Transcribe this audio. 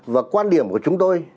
và quan điểm của chúng tôi